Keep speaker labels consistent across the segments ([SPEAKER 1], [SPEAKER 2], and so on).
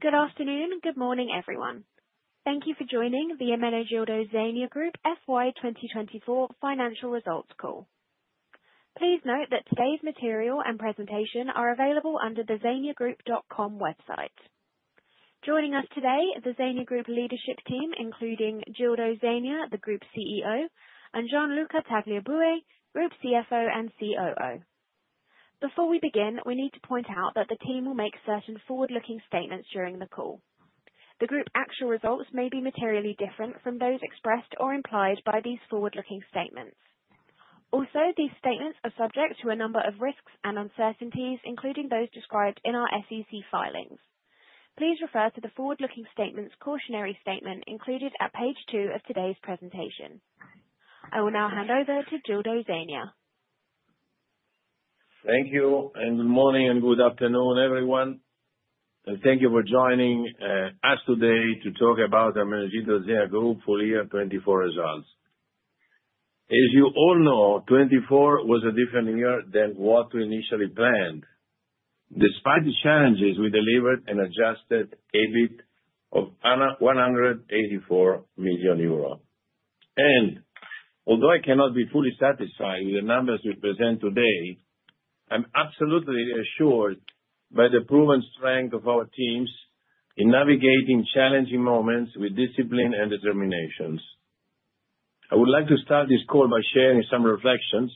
[SPEAKER 1] Good afternoon and good morning, everyone. Thank you for joining the Ermenegildo Zegna Group FY 2024 financial results call. Please note that today's material and presentation are available under the zegnagroup.com website. Joining us today are the Zegna Group leadership team, including Gildo Zegna, the Group CEO, and Gianluca Tagliabue, Group CFO and COO. Before we begin, we need to point out that the team will make certain forward-looking statements during the call. The Group actual results may be materially different from those expressed or implied by these forward-looking statements. Also, these statements are subject to a number of risks and uncertainties, including those described in our SEC filings. Please refer to the forward-looking statement's cautionary statement included at page two of today's presentation. I will now hand over to Gildo Zegna.
[SPEAKER 2] Thank you, and good morning and good afternoon, everyone. Thank you for joining us today to talk about Ermenegildo Zegna Group FY 2024 results. As you all know, 2024 was a different year than what we initially planned. Despite the challenges, we delivered an adjusted EBIT of 184 million euros. Although I cannot be fully satisfied with the numbers we present today, I am absolutely assured by the proven strength of our teams in navigating challenging moments with discipline and determination. I would like to start this call by sharing some reflections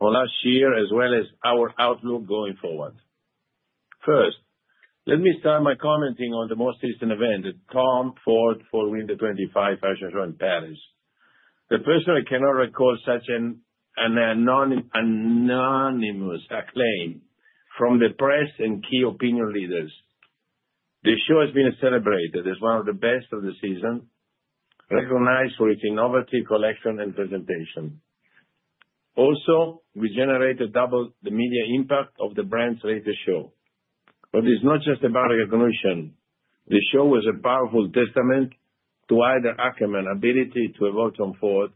[SPEAKER 2] on last year as well as our outlook going forward. First, let me start by commenting on the most recent event, the Tom Ford Fashion Fall/Winter 2025 Show in Paris. Personally, I cannot recall such an unanimous acclaim from the press and key opinion leaders. The show has been celebrated as one of the best of the season, recognized for its innovative collection and presentation. Also, we generated double the media impact of the brand's latest show. It is not just about recognition. The show was a powerful testament to Peter Hawkings' ability to evolve Tom Ford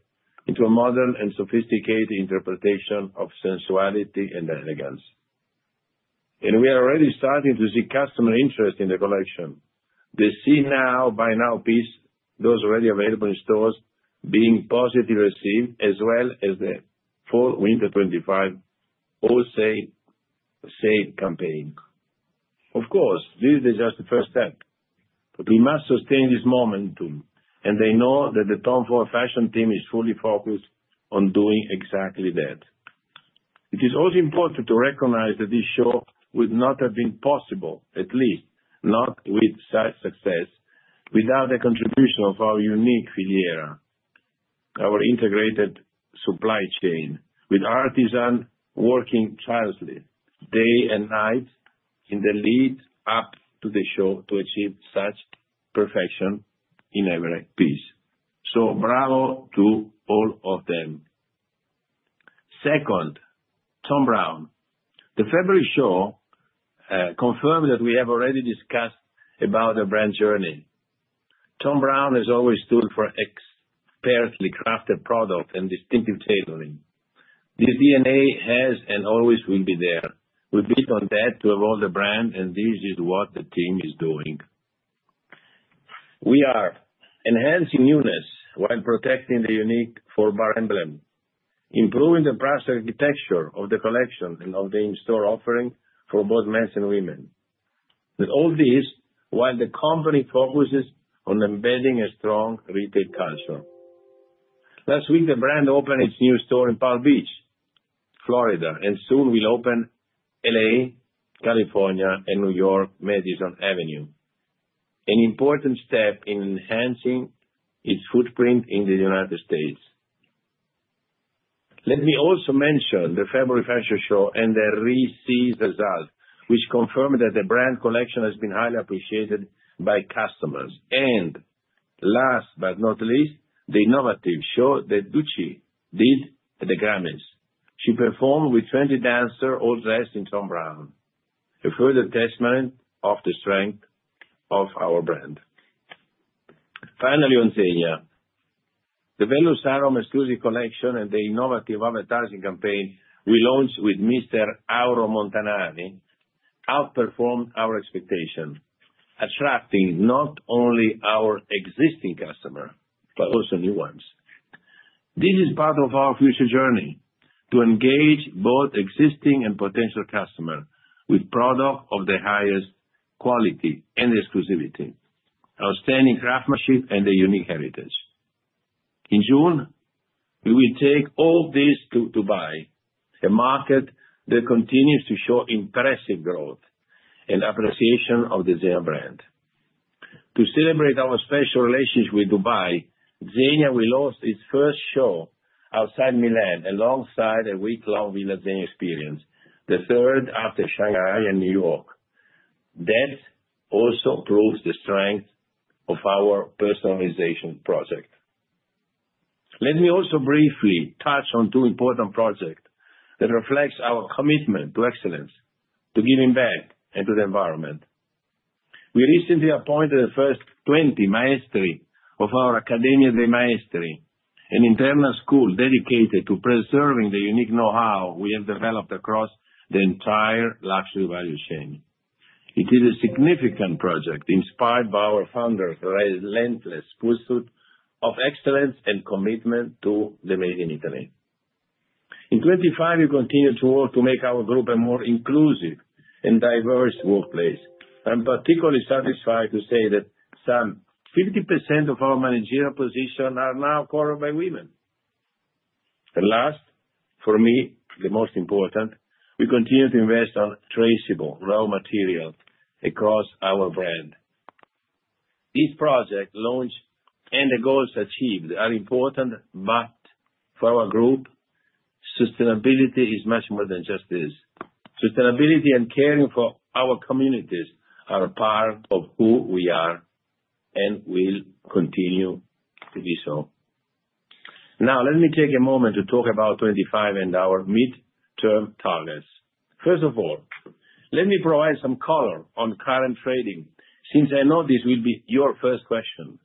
[SPEAKER 2] into a modern and sophisticated interpretation of sensuality and elegance. We are already starting to see customer interest in the collection. The See Now, Buy Now pieces, those already available in stores, are being positively received as well as the Fall/Winter 2025 All Seasons campaign. Of course, this is just the first step, but we must sustain this momentum, and they know that the Tom Ford Fashion team is fully focused on doing exactly that. It is also important to recognize that this show would not have been possible, at least not with such success, without the contribution of our unique Filiera, our integrated supply chain, with artisans working tirelessly day and night in the lead up to the show to achieve such perfection in every piece. Bravo to all of them. Second, Thom Browne. The February show confirmed that we have already discussed the brand journey. Thom Browne has always stood for expertly crafted products and distinctive tailoring. This DNA has and always will be there. We bid on that to evolve the brand, and this is what the team is doing. We are enhancing newness while protecting the unique four-bar emblem, improving the brass architecture of the collection and of the in-store offering for both men and women. All this while the company focuses on embedding a strong retail culture. Last week, the brand opened its new store in Palm Beach, Florida, and soon will open LA, California, and New York, Madison Avenue. An important step in enhancing its footprint in the United States. Let me also mention the February Fashion Show and the recent result, which confirmed that the brand collection has been highly appreciated by customers. Last but not least, the innovative show that Gucci did at the Grammys. She performed with 20 dancers all dressed in Thom Browne, a further testament to the strength of our brand. Finally, on Zegna, the Velluto Messico Collection and the innovative advertising campaign we launched with Mr. Auro Montanari outperformed our expectations, attracting not only our existing customers but also new ones. This is part of our future journey to engage both existing and potential customers with products of the highest quality and exclusivity, outstanding craftsmanship, and a unique heritage. In June, we will take all this to Dubai, a market that continues to show impressive growth and appreciation of the Zegna brand. To celebrate our special relationship with Dubai, Zegna will host its first show outside Milan alongside a week-long Villa Zegna experience, the third after Shanghai and New York. That also proves the strength of our personalization project. Let me also briefly touch on two important projects that reflect our commitment to excellence, to giving back, and to the environment. We recently appointed the first 20 Maestri of our Accademia dei Maestri, an internal school dedicated to preserving the unique know-how we have developed across the entire luxury value chain. It is a significant project inspired by our founders' relentless pursuit of excellence and commitment to the made in Italy. In 2025, we continue to work to make our group a more inclusive and diverse workplace. I'm particularly satisfied to say that some 50% of our managerial positions are now covered by women. Last, for me, the most important, we continue to invest in traceable raw materials across our brand. These projects launched and the goals achieved are important, but for our group, sustainability is much more than just this. Sustainability and caring for our communities are a part of who we are and will continue to be so. Now, let me take a moment to talk about 2025 and our midterm targets. First of all, let me provide some color on current trading, since I know this will be your first question.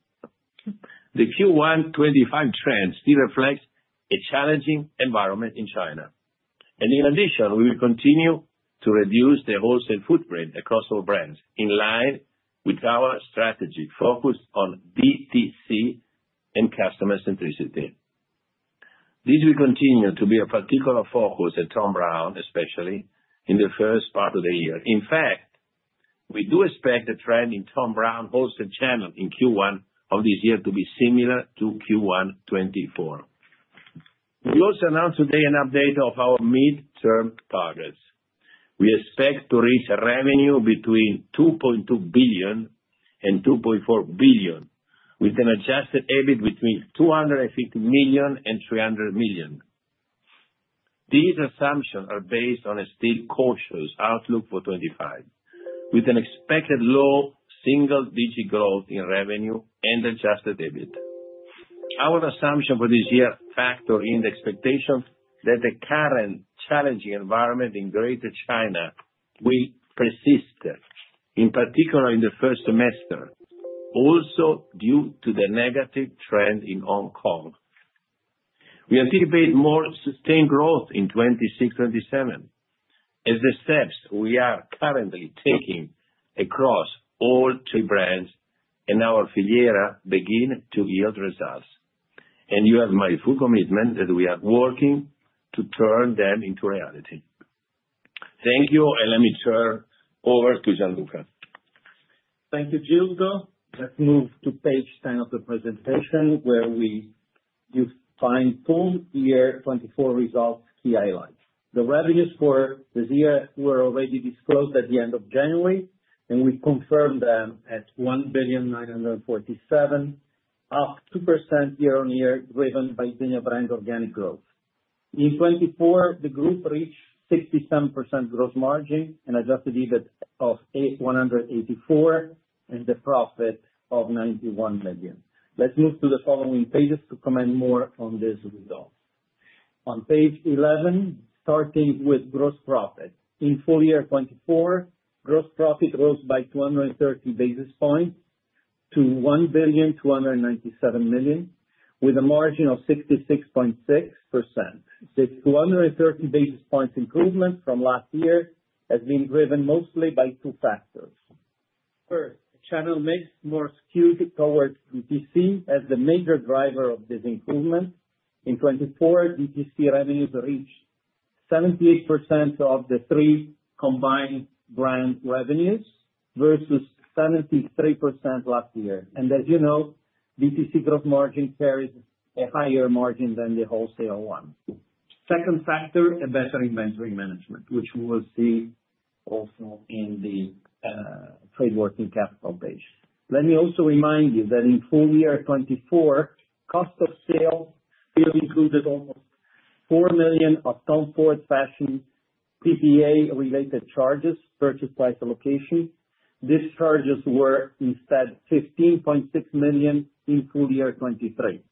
[SPEAKER 2] The Q1 2025 trend still reflects a challenging environment in China. In addition, we will continue to reduce the wholesale footprint across all brands in line with our strategy focused on DTC and customer centricity. This will continue to be a particular focus at Thom Browne, especially in the first part of the year. In fact, we do expect the trend in Thom Browne wholesale channel in Q1 of this year to be similar to Q1 2024. We also announced today an update of our midterm targets. We expect to reach a revenue between 2.2 billion and 2.4 billion, with an adjusted EBIT between 250 million and 300 million. These assumptions are based on a still cautious outlook for 2025, with an expected low single-digit growth in revenue and adjusted EBIT. Our assumption for this year factored in the expectation that the current challenging environment in Greater China will persist, in particular in the first semester, also due to the negative trend in Hong Kong. We anticipate more sustained growth in 2026, 2027, as the steps we are currently taking across all three brands and our Filiera begin to yield results. You have my full commitment that we are working to turn them into reality. Thank you, let me turn over to Gianluca.
[SPEAKER 3] Thank you, Gildo. Let's move to page 10 of the presentation, where you find full year 2024 results key highlights. The revenues for the year were already disclosed at the end of January, and we confirmed them at 1 billion 947 million, up 2% year-on-year, driven by Zegna brand organic growth. In 2024, the group reached 67% gross margin and adjusted EBIT of 184 million and the profit of 91 million. Let's move to the following pages to comment more on these results. On page 11, starting with gross profit. In full year 2024, gross profit rose by 230 basis points to 1 billion 297 million, with a margin of 66.6%. This 230 basis points improvement from last year has been driven mostly by two factors. First, the channel mix more skewed towards DTC as the major driver of this improvement. In 2024, DTC revenues reached 78% of the three combined brand revenues versus 73% last year. As you know, DTC gross margin carries a higher margin than the wholesale one. Second factor, a better inventory management, which we will see also in the trade working capital page. Let me also remind you that in full year 2024, cost of sales still included almost 4 million of Tom Ford Fashion PPA-related charges purchased by the location. These charges were instead 15.6 million in full year 2023.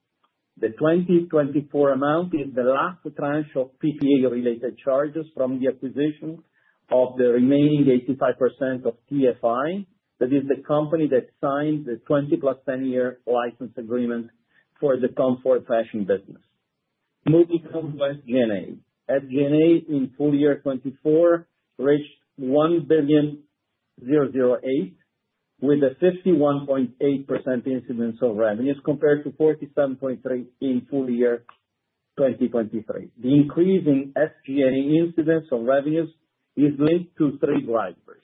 [SPEAKER 3] The 2024 amount is the last tranche of PPA-related charges from the acquisition of the remaining 85% of TFI, that is, the company that signed the 20-plus 10-year license agreement for the Tom Ford Fashion business. Moving on to SG&A. SG&A in full year 2024 reached 1,008,000,000, with a 51.8% incidence of revenues compared to 47.3% in full year 2023. The increase in SG&A incidence of revenues is linked to three drivers.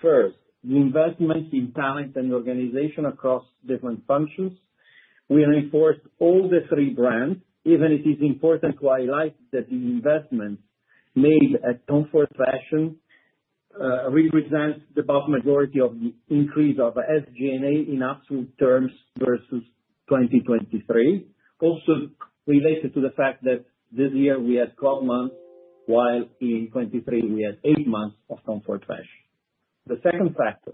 [SPEAKER 3] First, the investment in talent and organization across different functions. We reinforced all the three brands, even if it is important to highlight that the investment made at Tom Ford Fashion represents the vast majority of the increase of SG&A in absolute terms versus 2023, also related to the fact that this year we had 12 months, while in 2023 we had 8 months of Tom Ford Fashion. The second factor,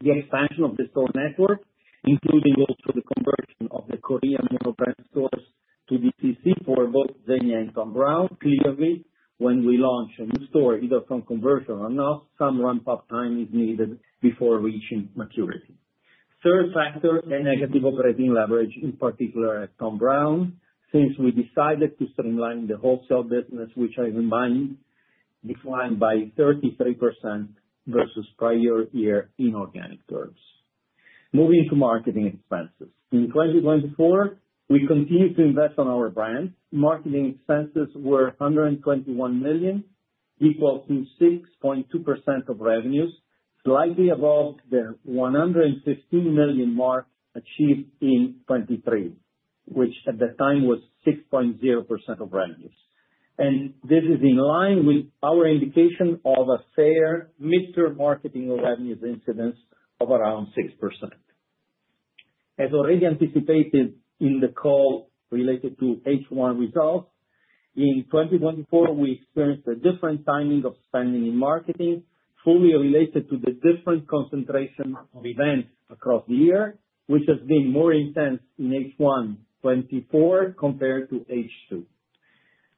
[SPEAKER 3] the expansion of the store network, including also the conversion of the Korean monobrand stores to DTC for both Zegna and Thom Browne, clearly, when we launch a new store, either from conversion or not, some ramp-up time is needed before reaching maturity. Third factor, a negative operating leverage, in particular at Thom Browne, since we decided to streamline the wholesale business, which I remind you declined by 33% versus prior year in organic terms. Moving to marketing expenses. In 2024, we continued to invest on our brand. Marketing expenses were 121 million, equal to 6.2% of revenues, slightly above the 115 million mark achieved in 2023, which at the time was 6.0% of revenues. This is in line with our indication of a fair midterm marketing revenues incidence of around 6%. As already anticipated in the call related to H1 results, in 2024, we experienced a different timing of spending in marketing, fully related to the different concentration of events across the year, which has been more intense in H1 2024 compared to H2.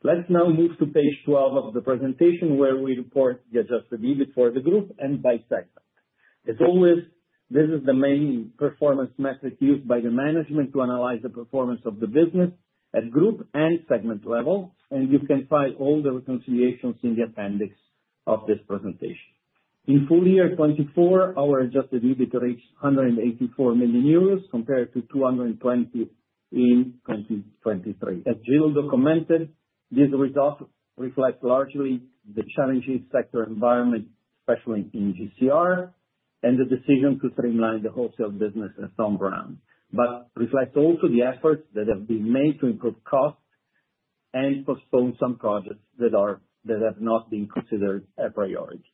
[SPEAKER 3] Let's now move to page 12 of the presentation, where we report the adjusted EBIT for the group and by segment. As always, this is the main performance metric used by the management to analyze the performance of the business at group and segment level, and you can find all the reconciliations in the appendix of this presentation. In full year 2024, our adjusted EBIT reached 184 million euros compared to 220 million in 2023. As Gildo commented, these results reflect largely the challenging sector environment, especially in Greater China, and the decision to streamline the wholesale business at Thom Browne, but reflects also the efforts that have been made to improve costs and postpone some projects that have not been considered a priority.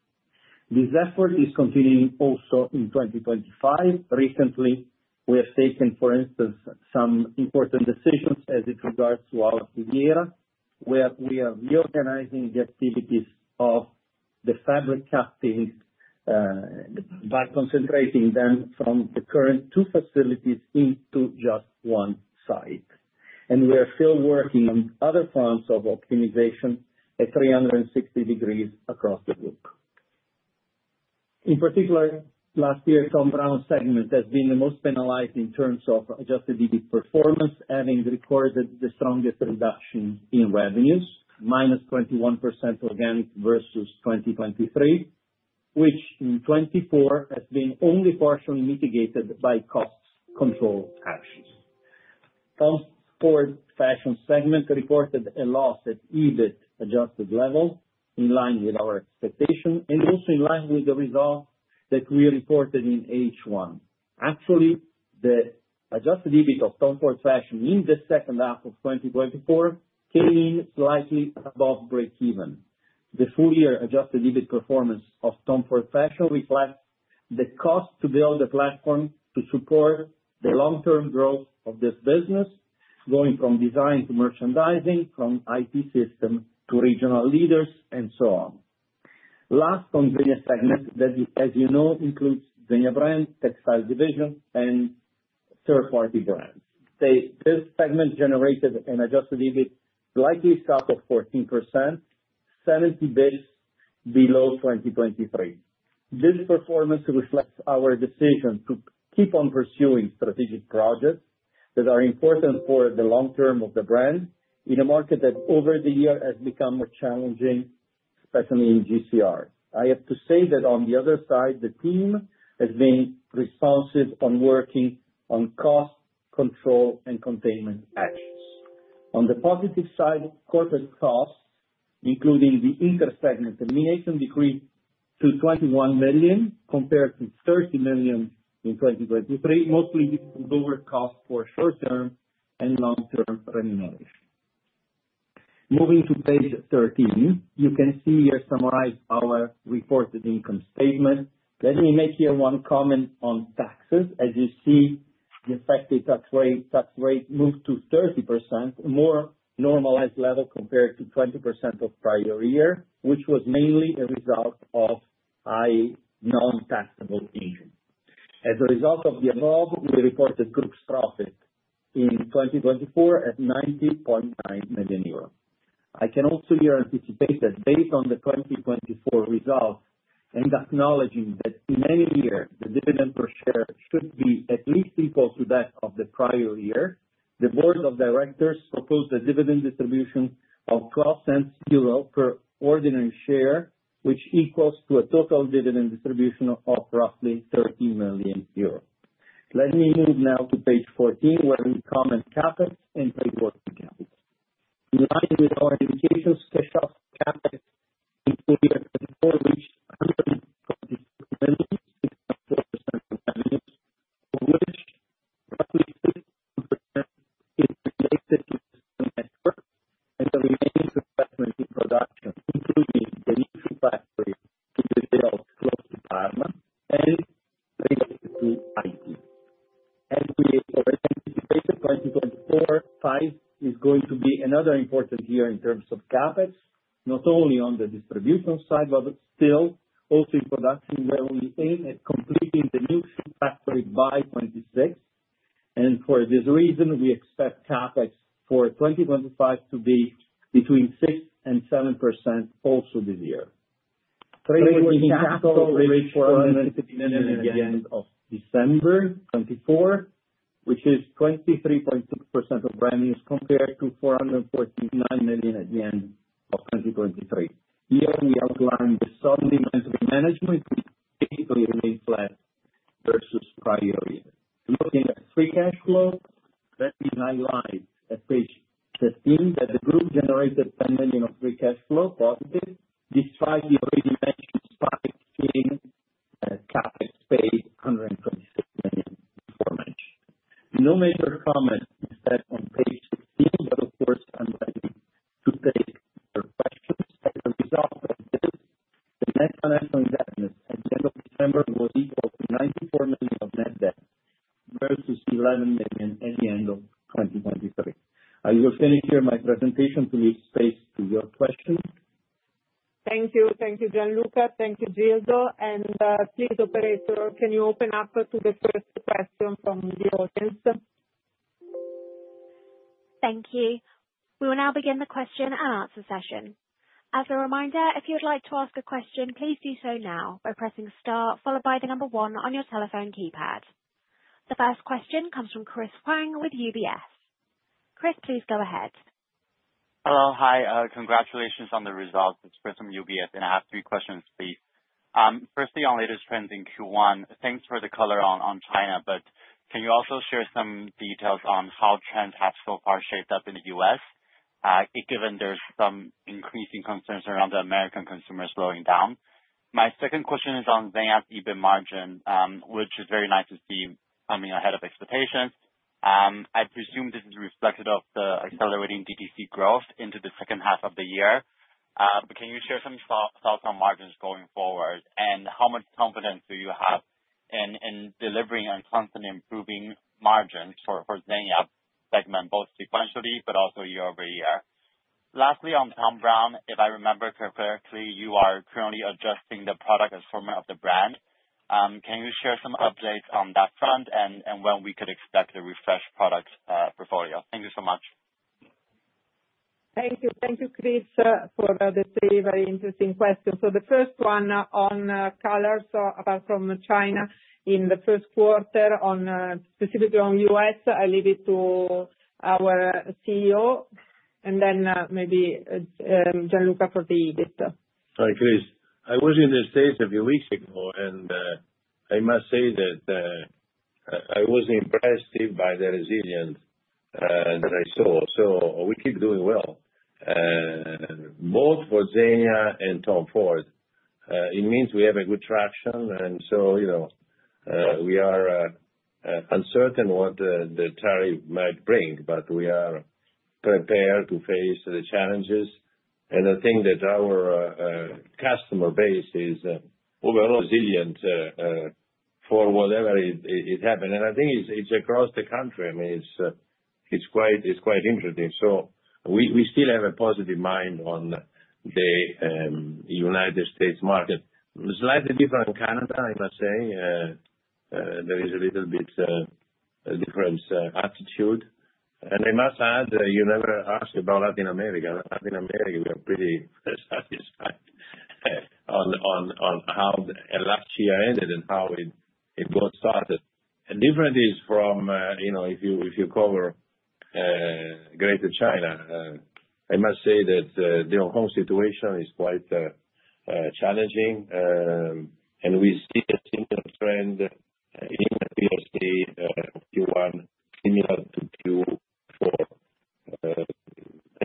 [SPEAKER 3] This effort is continuing also in 2025. Recently, we have taken, for instance, some important decisions as it regards to our Filiera, where we are reorganizing the activities of the fabric cutting, but concentrating them from the current two facilities into just one site. We are still working on other fronts of optimization at 360 degrees across the group. In particular, last year, Thom Browne segment has been the most penalized in terms of adjusted EBIT performance, having recorded the strongest reduction in revenues, minus 21% organic versus 2023, which in 2024 has been only partially mitigated by cost control actions. Tom Ford Fashion segment reported a loss at EBIT adjusted level, in line with our expectation, and also in line with the results that we reported in H1. Actually, the adjusted EBIT of Tom Ford Fashion in the second half of 2024 came in slightly above break-even. The full year adjusted EBIT performance of Tom Ford Fashion reflects the cost to build the platform to support the long-term growth of this business, going from design to merchandising, from IT system to regional leaders, and so on. Last, on Zegna segment, that, as you know, includes Zegna brand, textile division, and third-party brands. This segment generated an adjusted EBIT likely south of 14%, 70 basis points below 2023. This performance reflects our decision to keep on pursuing strategic projects that are important for the long term of the brand in a market that over the year has become more challenging, especially in Greater China. I have to say that on the other side, the team has been responsive on working on cost control and containment actions. On the positive side, corporate costs, including the inter-segment elimination, decreased to 21 million compared to 30 million in 2023, mostly due to lower costs for short-term and long-term remuneration. Moving to page 13, you can see here summarized our reported income statement. Let me make here one comment on taxes. As you see, the effective tax rate moved to 30%, a more normalized level compared to 20% of prior year, which was mainly a result of high non-taxable income. As a result of the above, we reported group's profit in 2024 at 90.9 million euros. I can also here anticipate that based on the 2024 results and acknowledging that in any year, the dividend per share should be at least equal to that of the prior year, the board of directors proposed a dividend distribution of 0.12 per ordinary share, which equals to a total dividend distribution of roughly 30 million euros. Let me move now to page 14, where we comment CapEx and trade working capital. another important year in terms of CapEx, not only on the distribution side, but still also in production where we aim at completing the new re-factory by 2026. For this reason, we expect CapEx for 2025 to be between 6%-7% also this year. Trade working capital reached 460 million at the end of December 2024, which is 23.6% of revenues compared to 449 million at the end of 2023. Here we outlined the solid inventory management, which basically remained flat versus prior year. Looking at free cash flow, let me highlight at page 15 that the group generated 10 million of free cash flow, positive, despite the already mentioned spike in CapEx paid EUR 126 million before mentioned. No major comment is said on page 16, but of course, I'm ready to take your questions. As a result of this, the net financial indebtedness at the end of December was equal to 94 million of net debt versus 11 million at the end of 2023. I will finish here my presentation to leave space to your questions.
[SPEAKER 1] Thank you. Thank you, Gianluca. Thank you, Gildo. Please, operator, can you open up to the first question from the audience?
[SPEAKER 4] Thank you. We will now begin the question and answer session. As a reminder, if you'd like to ask a question, please do so now by pressing star, followed by the number one on your telephone keypad. The first question comes from Chris Huang with UBS. Chris, please go ahead.
[SPEAKER 5] Hello. Hi. Congratulations on the results. It's Chris from UBS, and I have three questions, please. Firstly, on latest trends in Q1, thanks for the color on China, but can you also share some details on how trends have so far shaped up in the US, given there's some increasing concerns around the American consumers slowing down? My second question is on Zegna's EBIT margin, which is very nice to see coming ahead of expectations. I presume this is reflective of the accelerating DTC growth into the second half of the year. Can you share some thoughts on margins going forward, and how much confidence do you have in delivering and constantly improving margins for Zegna segment, both sequentially but also year over year? Lastly, on Thom Browne, if I remember correctly, you are currently adjusting the product assortment of the brand. Can you share some updates on that front and when we could expect a refreshed product portfolio? Thank you so much.
[SPEAKER 1] Thank you. Thank you, Chris, for the three very interesting questions. The first one on colors, apart from China in the first quarter, specifically on US, I leave it to our CEO, and then maybe Gianluca for the EBIT.
[SPEAKER 2] Hi, Chris. I was in the States a few weeks ago, and I must say that I was impressed by the resilience that I saw. We keep doing well, both for Zegna and Tom Ford. It means we have good traction, and we are uncertain what the tariff might bring, but we are prepared to face the challenges. I think that our customer base is overall resilient for whatever happens. I think it's across the country. I mean, it's quite interesting. We still have a positive mind on the United States market. Slightly different in Canada, I must say. There is a little bit of a different attitude. I must add, you never asked about Latin America. Latin America, we are pretty satisfied on how last year ended and how it got started. The difference is from if you cover Greater China. I must say that the Hong Kong situation is quite challenging, and we see a similar trend in the PSA Q1, similar to Q4.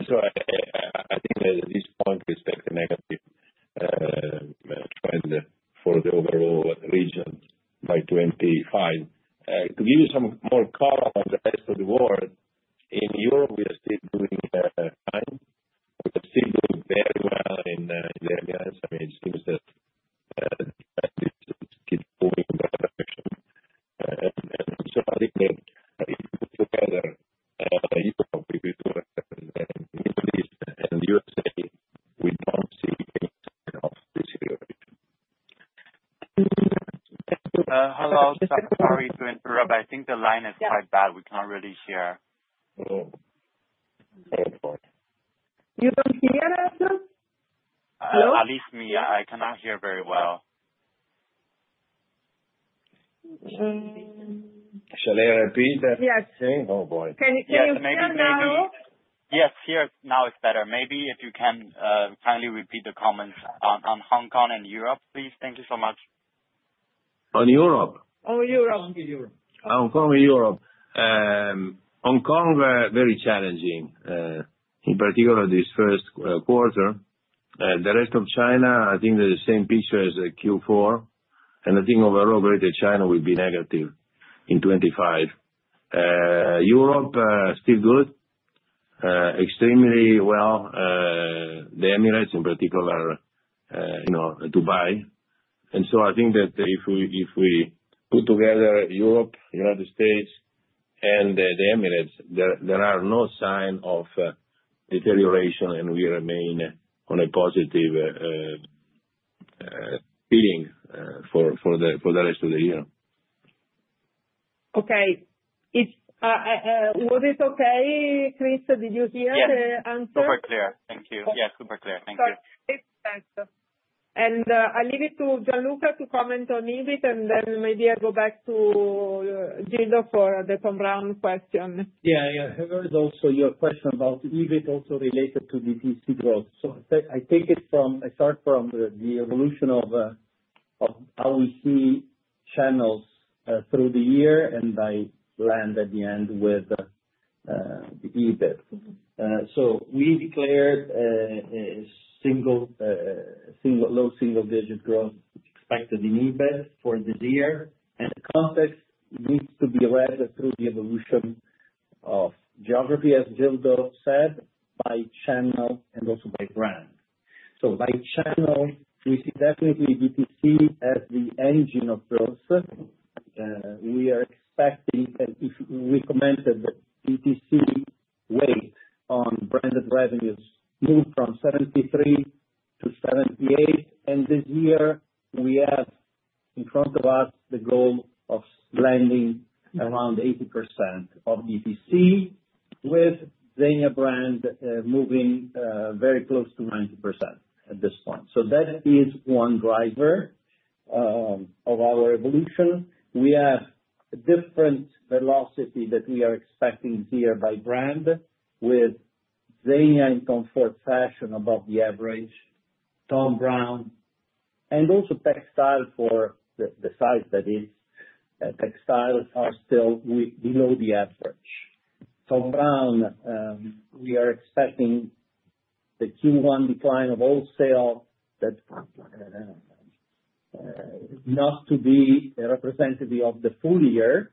[SPEAKER 2] I think at this point, we expect a negative trend for the overall region by 2025. To give you some more color on the rest of the world, in Europe, we are still doing fine. We are still doing very well in the Alliance. I mean, it seems that trend is keep moving in that direction. I think if we put together Europe, if we put the Middle East and the USA, we do not see any sign of this situation.
[SPEAKER 5] Hello. Sorry to interrupt. I think the line is quite bad. We can't really hear.
[SPEAKER 2] Sorry.
[SPEAKER 1] You don't hear us? Hello?
[SPEAKER 5] At least me. I cannot hear very well.
[SPEAKER 2] Shall I repeat that thing?
[SPEAKER 5] Yes.
[SPEAKER 1] Can you hear me now?
[SPEAKER 5] Yes. Here now it's better. Maybe if you can kindly repeat the comments on Hong Kong and Europe, please. Thank you so much.
[SPEAKER 2] On Europe?
[SPEAKER 1] On Europe.
[SPEAKER 2] Hong Kong and Europe. Hong Kong, very challenging. In particular, this first quarter. The rest of China, I think the same picture as Q4. I think overall, Greater China will be negative in 2025. Europe still good, extremely well. The Emirates, in particular, Dubai. I think that if we put together Europe, United States, and the Emirates, there are no signs of deterioration, and we remain on a positive feeling for the rest of the year.
[SPEAKER 1] Okay. Was it okay, Chris? Did you hear the answer?
[SPEAKER 5] Yes. Super clear. Thank you. Yeah, super clear. Thank you.
[SPEAKER 1] Perfect. I leave it to Gianluca to comment on EBIT, and then maybe I'll go back to Gildo for the Thom Browne question.
[SPEAKER 3] Yeah. Yeah. Here is also your question about EBIT also related to DTC growth. I take it from I start from the evolution of how we see channels through the year and I land at the end with the EBIT. We declared a low single-digit growth expected in EBIT for this year. The context needs to be read through the evolution of geography, as Gildo said, by channel and also by brand. By channel, we see definitely DTC as the engine of growth. We are expecting, and we commented that DTC weight on branded revenues moved from 73% to 78%. This year, we have in front of us the goal of landing around 80% of DTC, with Zegna brand moving very close to 90% at this point. That is one driver of our evolution. We have a different velocity that we are expecting here by brand, with Zegna and Tom Ford Fashion above the average, Thom Browne, and also textile for the size that it's textile are still below the average. Thom Browne, we are expecting the Q1 decline of wholesale not to be representative of the full year,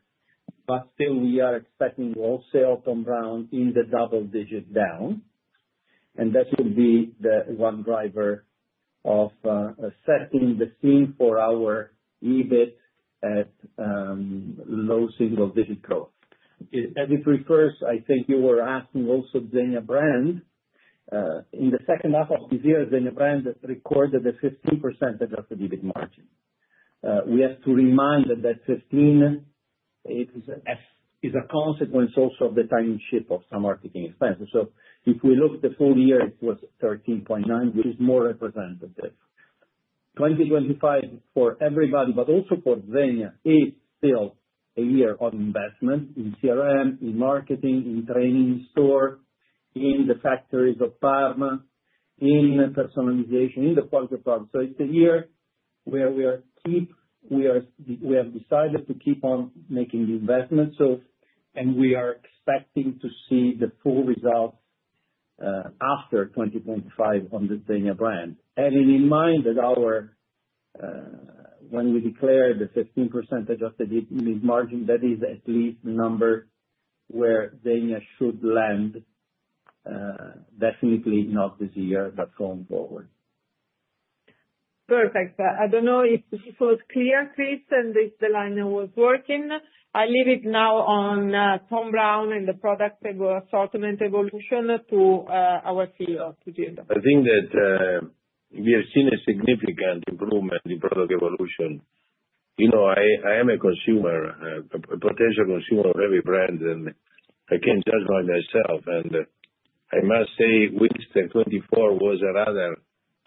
[SPEAKER 3] but still we are expecting wholesale Thom Browne in the double-digit down. That will be the one driver of setting the scene for our EBIT at low single-digit growth. As it refers, I think you were asking also Zegna brand. In the second half of this year, Zegna brand recorded a 15% adjusted EBIT margin. We have to remind that that 15% is a consequence also of the time shift of some marketing expenses. If we look at the full year, it was 13.9%, which is more representative. 2025 for everybody, but also for Zegna, is still a year of investment in CRM, in marketing, in training store, in the factories of Parma, in personalization, in the quality of product. It is a year where we have decided to keep on making the investment, and we are expecting to see the full results after 2025 on the Zegna brand. Having in mind that when we declared the 15% adjusted EBIT margin, that is at least the number where Zegna should land, definitely not this year, but going forward.
[SPEAKER 1] Perfect. I don't know if this was clear, Chris, and if the line was working. I leave it now on Thom Browne and the product assortment evolution to our CEO, to Gildo.
[SPEAKER 2] I think that we have seen a significant improvement in product evolution. I am a consumer, a potential consumer of heavy brands, and I can judge by myself. I must say, with 2024 was a rather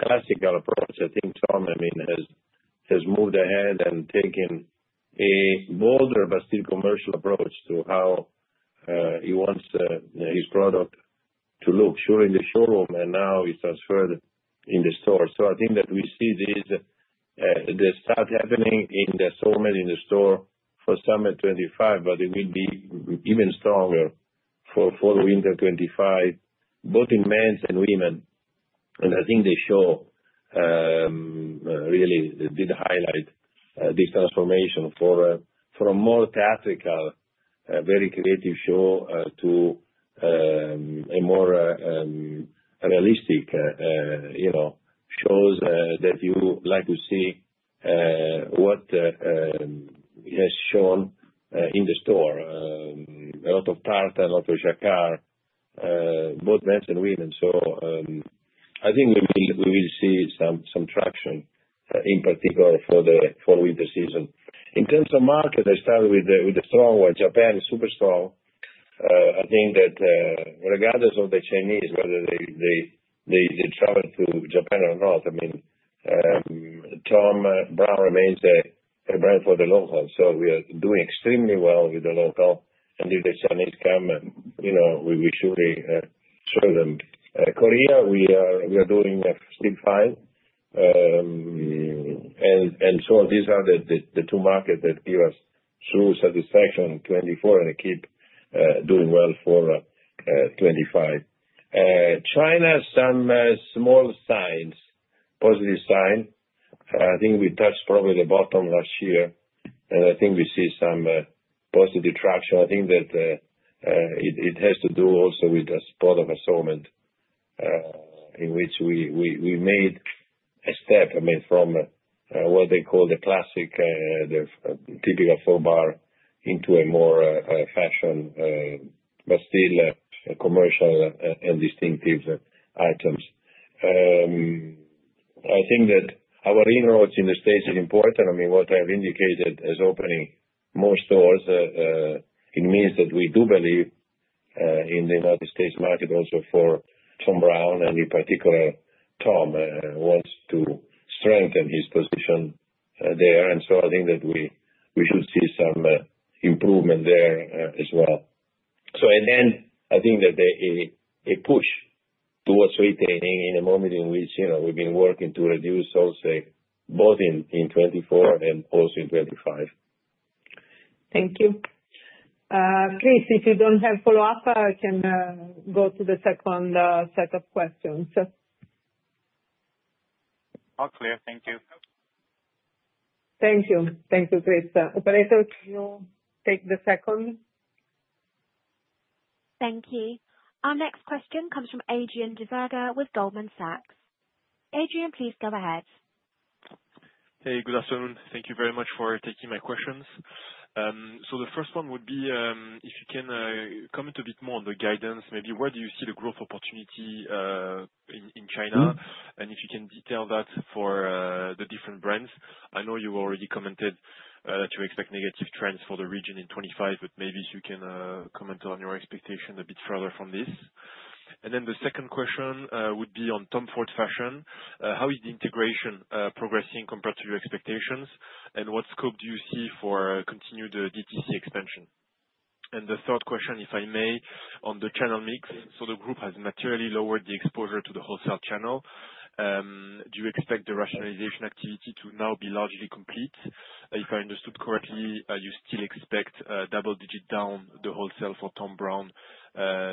[SPEAKER 2] classical approach. I think Thom, I mean, has moved ahead and taken a bolder but still commercial approach to how he wants his product to look in the showroom, and now it's transferred in the store. I think that we see this start happening in the assortment in the store for summer 2025, but it will be even stronger for the winter 2025, both in men's and women. I think the show really did highlight this transformation from a more theatrical, very creative show to a more realistic show that you like to see what has shown in the store, a lot of tartan, a lot of jacquard, both men's and women. I think we will see some traction, in particular for the winter season. In terms of market, I started with the strong one. Japan is super strong. I think that regardless of the Chinese, whether they travel to Japan or not, I mean, Thom Browne remains a brand for the local. We are doing extremely well with the local. If the Chinese come, we surely serve them. Korea, we are doing still fine. These are the two markets that give us true satisfaction in 2024, and they keep doing well for 2025. China, some small signs, positive sign. I think we touched probably the bottom last year, and I think we see some positive traction. I think that it has to do also with the support of assortment in which we made a step, I mean, from what they call the classic, the typical four-bar into a more fashion, but still commercial and distinctive items. I think that our inroads in the States are important. I mean, what I've indicated as opening more stores, it means that we do believe in the United States market also for Thom Browne, and in particular, Thom wants to strengthen his position there. I think that we should see some improvement there as well. I think that a push towards retaining in a moment in which we've been working to reduce sales, both in 2024 and also in 2025.
[SPEAKER 1] Thank you. Chris, if you don't have follow-up, I can go to the second set of questions.
[SPEAKER 5] All clear. Thank you.
[SPEAKER 1] Thank you. Thank you, Chris. Operator, can you take the second?
[SPEAKER 4] Thank you. Our next question comes from Adrian Diverga with Goldman Sachs. Adrian, please go ahead.
[SPEAKER 6] Hey, good afternoon. Thank you very much for taking my questions. The first one would be, if you can comment a bit more on the guidance, maybe where do you see the growth opportunity in China? If you can detail that for the different brands. I know you already commented that you expect negative trends for the region in 2025, but maybe if you can comment on your expectation a bit further from this. The second question would be on Tom Ford Fashion. How is the integration progressing compared to your expectations? What scope do you see for continued DTC expansion? The third question, if I may, on the channel mix. The group has materially lowered the exposure to the wholesale channel. Do you expect the rationalization activity to now be largely complete? If I understood correctly, you still expect double-digit down the wholesale for Thom Browne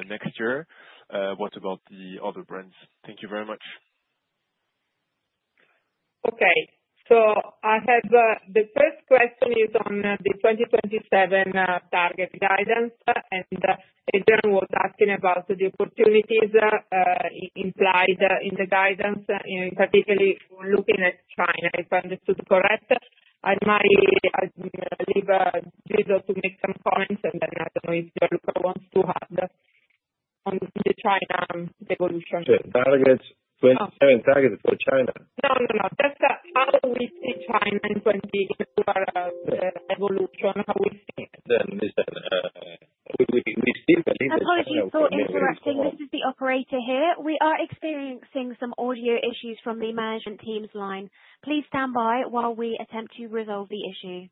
[SPEAKER 6] next year. What about the other brands? Thank you very much.
[SPEAKER 1] Okay. I have the first question is on the 2027 target guidance. Adrian was asking about the opportunities implied in the guidance, particularly looking at China, if I understood correct. I might leave Gildo to make some comments, and then I do not know if Gildo wants to add on the China evolution.
[SPEAKER 2] Targets, '27 targets for China?
[SPEAKER 1] No, no, no. Just how we see China in 2024 evolution, how we see it.
[SPEAKER 2] Listen. We still believe that China.
[SPEAKER 4] Apologies for interrupting. This is the operator here. We are experiencing some audio issues from the management team's line. Please stand by while we attempt to resolve the issue.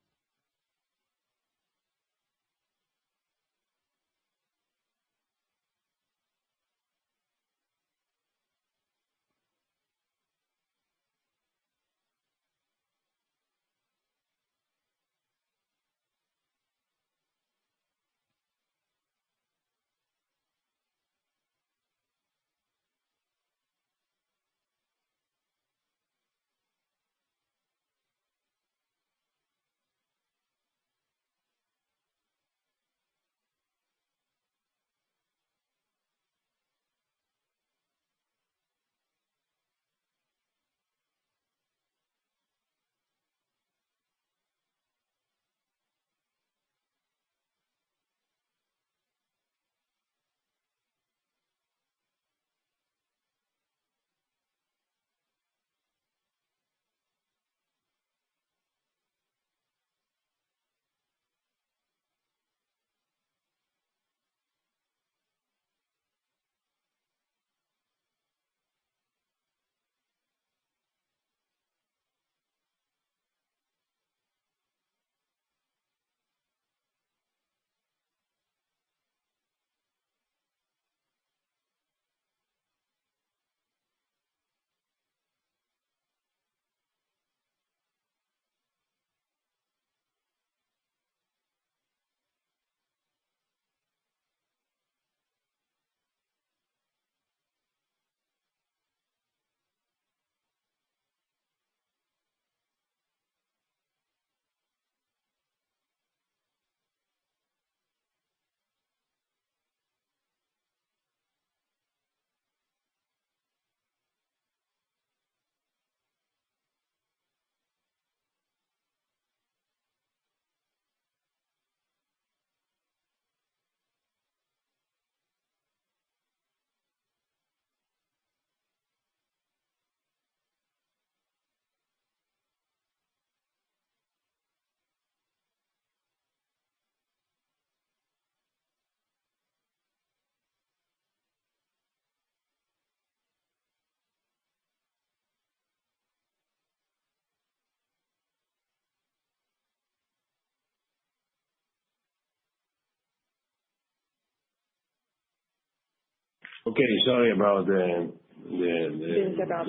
[SPEAKER 2] Okay. Sorry about the.
[SPEAKER 1] Think about.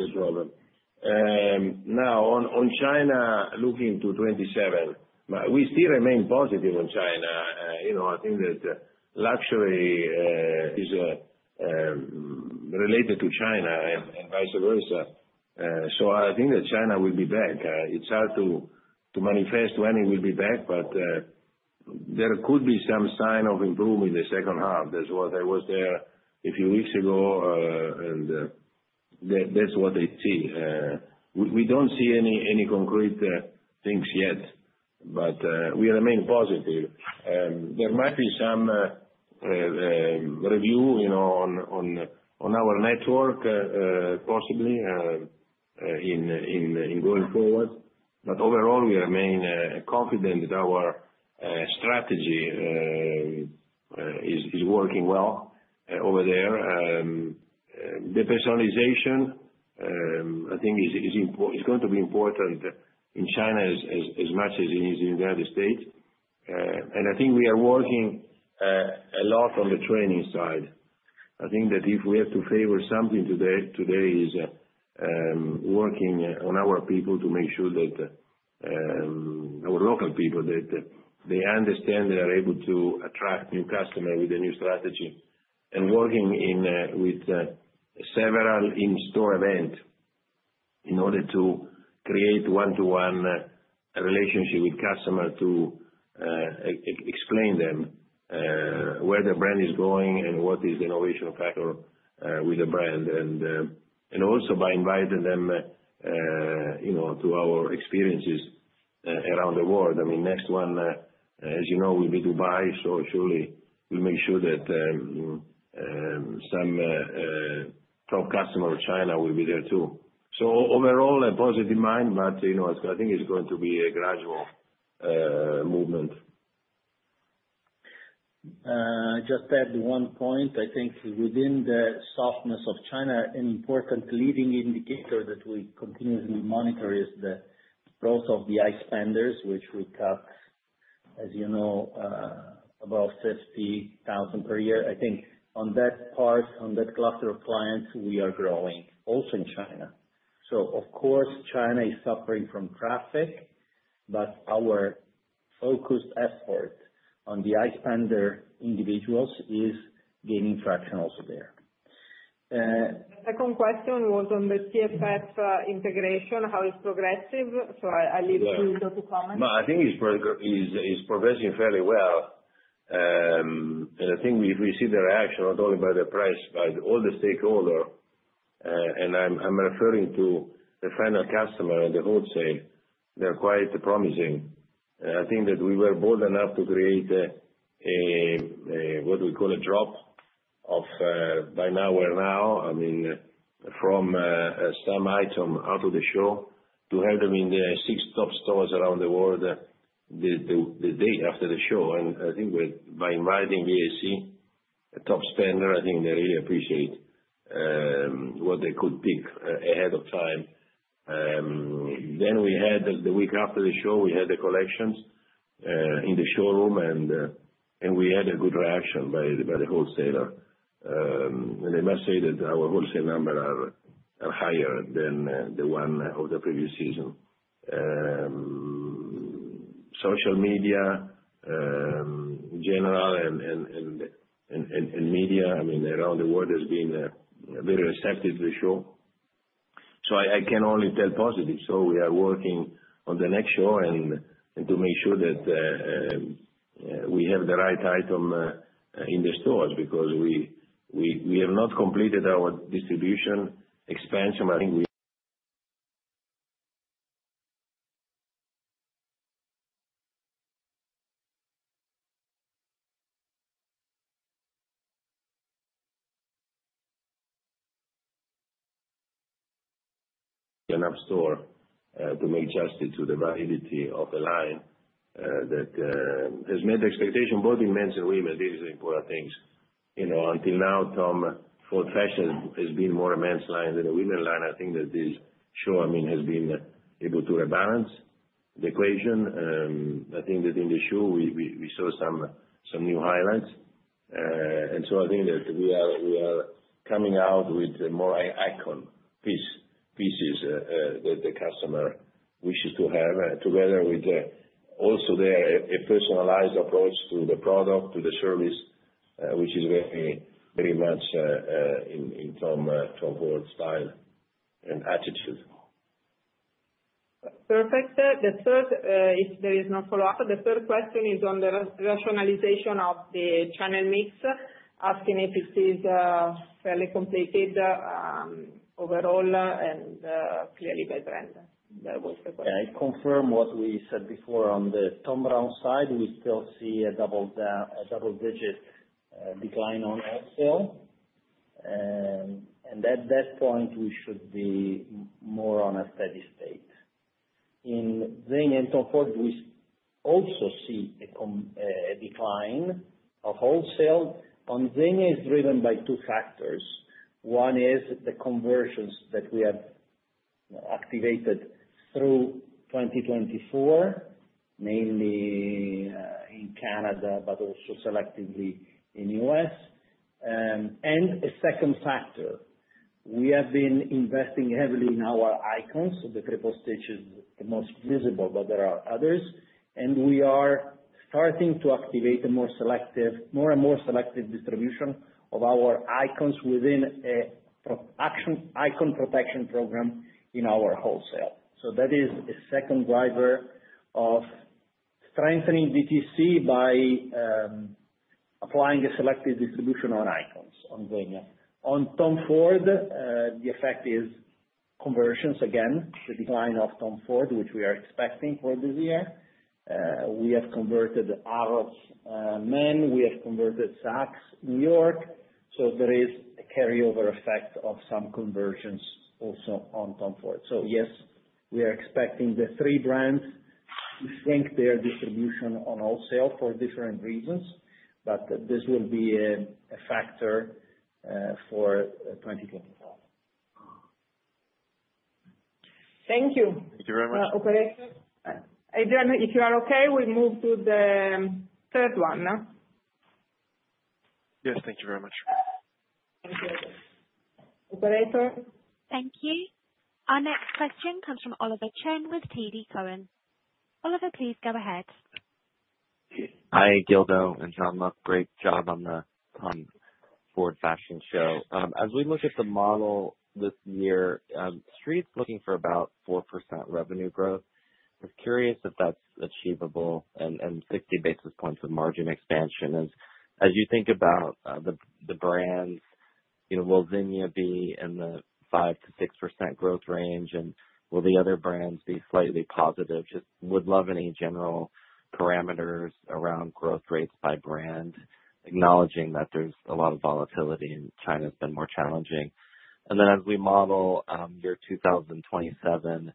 [SPEAKER 2] Now, on China, looking to 2027, we still remain positive on China. I think that luxury is related to China and vice versa. I think that China will be back. It's hard to manifest when it will be back, but there could be some sign of improvement in the second half. That is why I was there a few weeks ago, and that is what I see. We do not see any concrete things yet, but we remain positive. There might be some review on our network, possibly in going forward. Overall, we remain confident that our strategy is working well over there. The personalization, I think, is going to be important in China as much as it is in the United States. I think we are working a lot on the training side. I think that if we have to favor something today, it is working on our people to make sure that our local people, that they understand they are able to attract new customers with a new strategy. Working with several in-store events in order to create one-to-one relationship with customers to explain to them where the brand is going and what is the innovation factor with the brand. Also by inviting them to our experiences around the world. I mean, next one, as you know, will be Dubai. Surely we'll make sure that some top customers of China will be there too. Overall, a positive mind, but I think it's going to be a gradual movement. Just add one point. I think within the softness of China, an important leading indicator that we continuously monitor is the growth of the ICÉ spenders, which we cut, as you know, about 50,000 per year. I think on that part, on that cluster of clients, we are growing also in China. Of course, China is suffering from traffic, but our focused effort on the ICÉ spender individuals is gaining traction also there.
[SPEAKER 1] The second question was on the TFF integration. How is it progressive? I leave it to you to comment.
[SPEAKER 2] I think it's progressing fairly well. I think we see the reaction not only by the price, but all the stakeholders. I'm referring to the final customer and the wholesale. They're quite promising. I think that we were bold enough to create what we call a drop of by now or now, I mean, from some item out of the show to have them in the six top stores around the world the day after the show. I think by inviting VAC, a top spender, I think they really appreciate what they could pick ahead of time. We had the week after the show, we had the collections in the showroom, and we had a good reaction by the wholesaler. I must say that our wholesale numbers are higher than the one of the previous season. Social media, in general, and media, I mean, around the world has been very receptive to the show. I can only tell positive. We are working on the next show to make sure that we have the right item in the stores because we have not completed our distribution expansion. I think we need to upstore to make justice to the validity of the line that has met expectations, both in men's and women. These are important things. Until now, Tom Ford Fashion has been more a men's line than a women's line. I think that this show, I mean, has been able to rebalance the equation. I think that in the show, we saw some new highlights. I think that we are coming out with more icon pieces that the customer wishes to have together with also their personalized approach to the product, to the service, which is very much in Tom Ford style and attitude.
[SPEAKER 1] Perfect. The third, if there is no follow-up, the third question is on the rationalization of the channel mix, asking if it is fairly completed overall and clearly by brand. That was the question.
[SPEAKER 3] I confirm what we said before on the Thom Browne side. We still see a double-digit decline on wholesale. At that point, we should be more on a steady state. In Zegna and Tom Ford, we also see a decline of wholesale. On Zegna, it is driven by two factors. One is the conversions that we have activated through 2024, mainly in Canada, but also selectively in the U.S. A second factor, we have been investing heavily in our icons. The Triple Stitch is the most visible, but there are others. We are starting to activate a more and more selective distribution of our icons within an icon protection program in our wholesale. That is a second driver of strengthening DTC by applying a selective distribution on icons on Zegna. On Tom Ford, the effect is conversions again, the decline of Tom Ford, which we are expecting for this year. We have converted United Arrows Men. We have converted Saks New York. There is a carryover effect of some conversions also on Tom Ford. Yes, we are expecting the three brands to shrink their distribution on wholesale for different reasons, but this will be a factor for 2025.
[SPEAKER 1] Thank you.
[SPEAKER 2] Thank you very much.
[SPEAKER 1] Operator, Adrian, if you are okay, we'll move to the third one.
[SPEAKER 6] Yes, thank you very much.
[SPEAKER 1] Thank you, Operator.
[SPEAKER 4] Thank you. Our next question comes from Oliver Chen with TD Cowen. Oliver, please go ahead.
[SPEAKER 7] Hi, Gildo. And not a great job on the Tom Ford Fashion show. As we look at the model this year, Street's looking for about 4% revenue growth. I'm curious if that's achievable and 60 basis points of margin expansion. As you think about the brands, will Zegna be in the 5-6% growth range, and will the other brands be slightly positive? Just would love any general parameters around growth rates by brand, acknowledging that there's a lot of volatility and China has been more challenging. As we model your 2027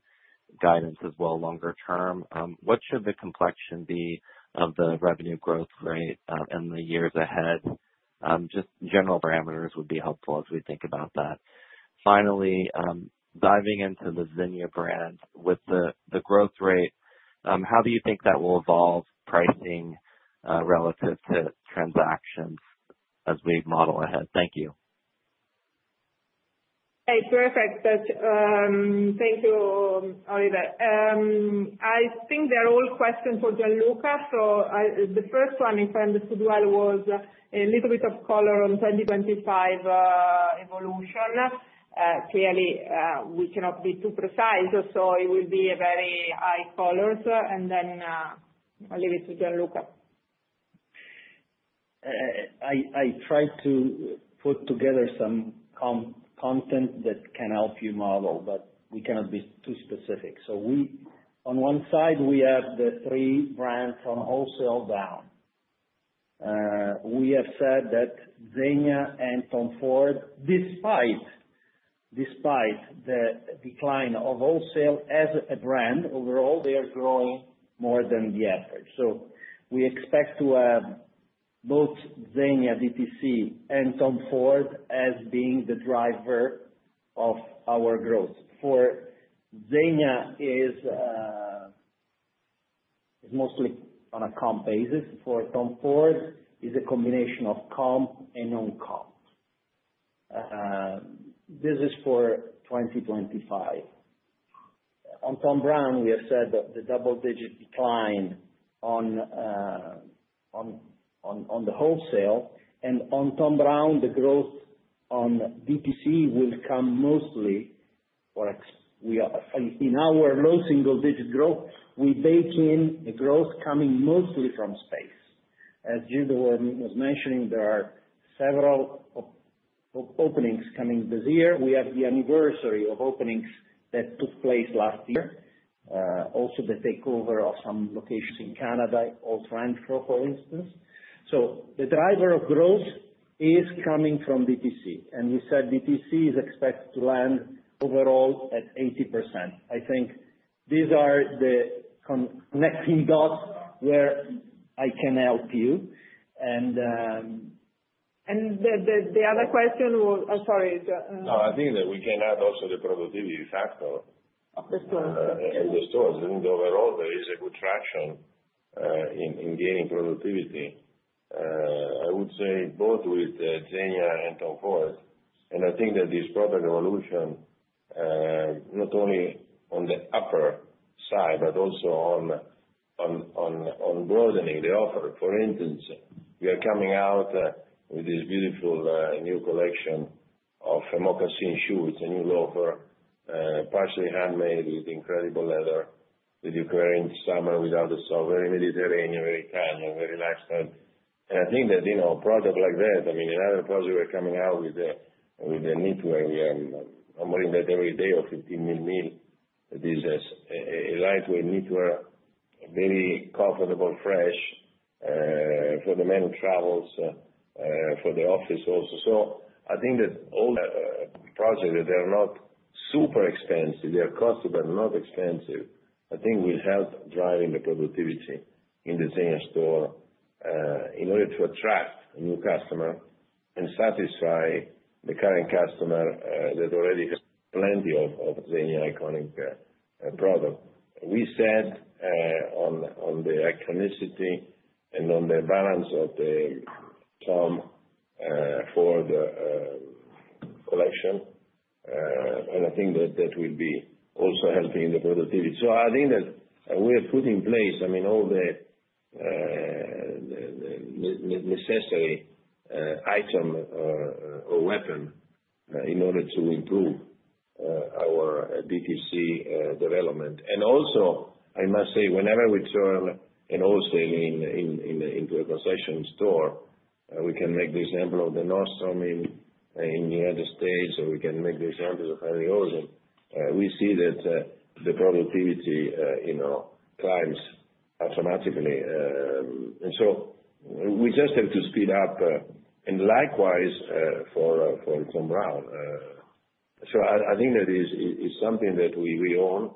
[SPEAKER 7] guidance as well, longer term, what should the complexion be of the revenue growth rate in the years ahead? Just general parameters would be helpful as we think about that. Finally, diving into the Zegna brand with the growth rate, how do you think that will evolve pricing relative to transactions as we model ahead? Thank you.
[SPEAKER 1] Okay. Perfect. Thank you, Oliver. I think they're all questions for Gianluca. The first one, if I understood well, was a little bit of color on 2025 evolution. Clearly, we cannot be too precise, so it will be very high colors. I will leave it to Gianluca.
[SPEAKER 3] I tried to put together some content that can help you model, but we cannot be too specific. On one side, we have the three brands on wholesale down. We have said that Zegna and Tom Ford, despite the decline of wholesale as a brand, overall, they are growing more than the average. We expect to have both Zegna, DTC, and Tom Ford as being the driver of our growth. For Zegna, it's mostly on a comp basis. For Tom Ford, it's a combination of comp and non-comp. This is for 2025. On Thom Browne, we have said the double-digit decline on the wholesale. On Thom Browne, the growth on DTC will come mostly in our low single-digit growth. We bake in the growth coming mostly from space. As Gildo was mentioning, there are several openings coming this year. We have the anniversary of openings that took place last year. Also, the takeover of some locations in Canada, Old Trentford, for instance. The driver of growth is coming from DTC. We said DTC is expected to land overall at 80%. I think these are the connecting dots where I can help you.
[SPEAKER 1] The other question was, I'm sorry.
[SPEAKER 2] No, I think that we can add also the productivity factor.
[SPEAKER 1] Of the stores.
[SPEAKER 2] Of the stores. I think overall, there is a good traction in gaining productivity. I would say both with Zegna and Tom Ford. I think that this product evolution, not only on the upper side, but also on broadening the offer. For instance, we are coming out with this beautiful new collection of Moccasin shoes. It's a new loafer, partially handmade with incredible leather, with Unlined summer, without the sole, very Mediterranean, very Kenyan, very lifestyle. I think that product like that, I mean, in other products, we're coming out with the knitwear. We are modeling that every day of 15-gauge that is a lightweight knitwear, very comfortable, fresh for the men who travel, for the office also. I think that all projects that are not super expensive, their costs are not expensive, I think will help drive the productivity in the Zegna store in order to attract a new customer and satisfy the current customer that already has plenty of Zegna iconic products. We said on the iconicity and on the balance of the Tom Ford collection, and I think that that will be also helping in the productivity. I think that we have put in place, I mean, all the necessary items or weapons in order to improve our DTC development. Also, I must say, whenever we turn a wholesale into a concession store, we can make the example of the Nordstrom in the United States, or we can make the example of Harrods. We see that the productivity climbs automatically. We just have to speed up. Likewise for Thom Browne. I think that it's something that we own,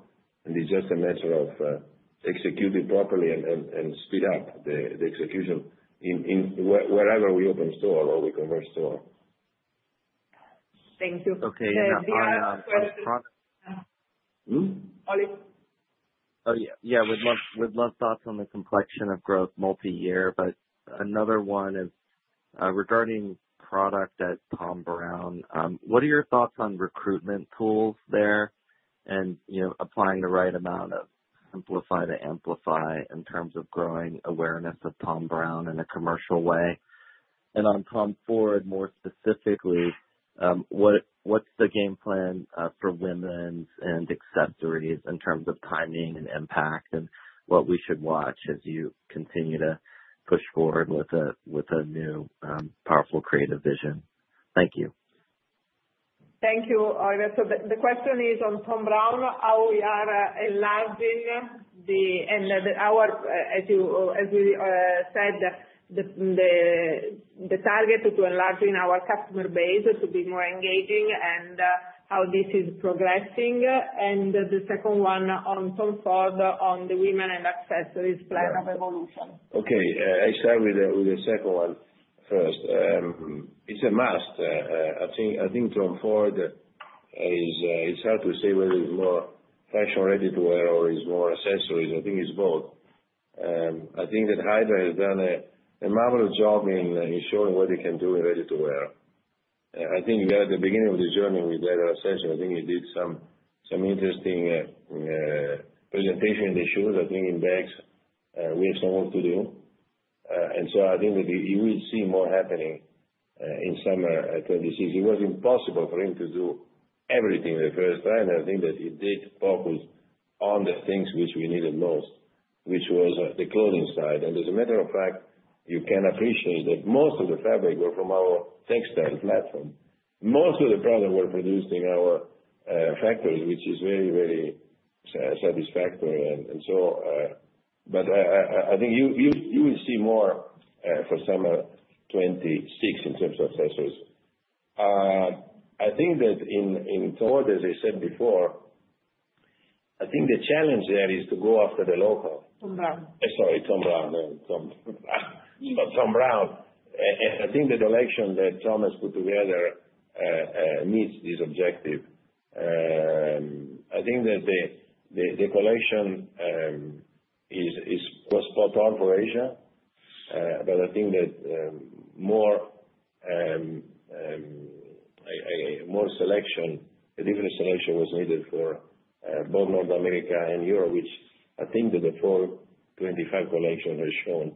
[SPEAKER 2] and it's just a matter of executing properly and speeding up the execution wherever we open store or we convert store.
[SPEAKER 1] Thank you.
[SPEAKER 2] Okay.
[SPEAKER 1] We have questions.
[SPEAKER 2] Oliver.
[SPEAKER 7] Oh, yeah. With love, thoughts on the complexion of growth multi-year, but another one is regarding product at Thom Browne. What are your thoughts on recruitment tools there and applying the right amount of Simplify to Amplify in terms of growing awareness of Thom Browne in a commercial way? On Tom Ford Fashion, more specifically, what's the game plan for women's and accessories in terms of timing and impact and what we should watch as you continue to push forward with a new powerful creative vision? Thank you.
[SPEAKER 1] Thank you, Oliver. The question is on Thom Browne, how we are enlarging the, as you said, the target to enlarging our customer base to be more engaging and how this is progressing. The second one on Tom Ford, on the women and accessories plan of evolution.
[SPEAKER 2] Okay. I start with the second one first. It's a must. I think Tom Ford, it's hard to say whether it's more fashion ready-to-wear or it's more accessories. I think it's both. I think that Peter Hawkings has done a marvelous job in showing what they can do in ready-to-wear. I think we are at the beginning of the journey with Tom Ford Accessories. I think he did some interesting presentation in the shoes. I think in bags, we have some work to do. I think that you will see more happening in summer 2026. It was impossible for him to do everything the first time. I think that he did focus on the things which we needed most, which was the clothing side. As a matter of fact, you can appreciate that most of the fabric were from our textile platform. Most of the products were produced in our factories, which is very, very satisfactory. I think you will see more for summer 2026 in terms of accessories. I think that in Tom Ford, as I said before, I think the challenge there is to go after the local.
[SPEAKER 1] Thom Browne.
[SPEAKER 2] Sorry, Thom Browne. Thom Browne. I think that the collection that Thom has put together meets this objective. I think that the collection was spot on for Asia, but I think that more selection, a different selection was needed for both North America and Europe, which I think that the Fall/Winter 2025 collection has shown.